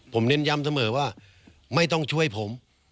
ผมเน้นย้ำเสมอว่าไม่ต้องช่วยผม